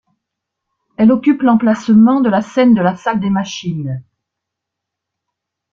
Elle occupe l'emplacement de la scène de la salle des machines.